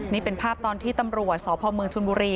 นี่เป็นภาพตอนที่ตำรวจสพเมืองชนบุรี